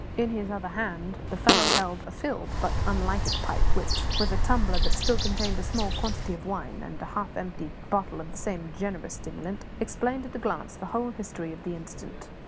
In his other hand the fellow held a filled but unlighted pipe, which, with a tumbler that still contained a small quantity of wine, and a half empty bottle of the same generous stimulant, explained at a glance the whole history of the incident.